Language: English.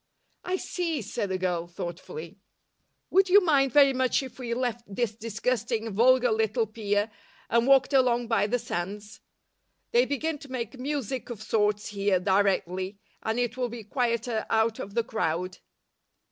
"I see," said the girl, thoughtfully. "Would you mind very much if we left this disgusting, vulgar little pier and walked along by the sands? They begin to make music of sorts here directly, and it will be quieter out of the crowd."